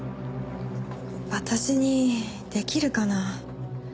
私にできるかな？